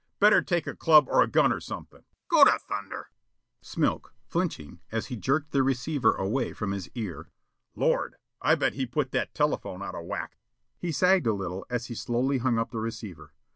Better take a club or a gun or something " Plaza 00100; "Go to thunder!" Smilk, flinching as he jerked the receiver away from his ear: "Lord! I bet he put that telephone out of whack!" He sagged a little as he slowly hung up the receiver.